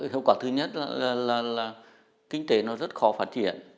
hiệu quả thứ nhất là kinh tế nó rất khó phát triển